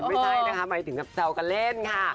ไม่ใช่หมายถึงเจอกันเล่นค่ะ